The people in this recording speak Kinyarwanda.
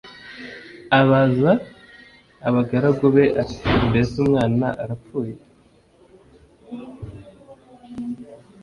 Abaza abagaragu be ati “Mbese umwana arapfuye?”